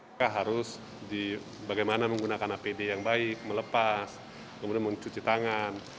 mereka harus bagaimana menggunakan apd yang baik melepas kemudian mencuci tangan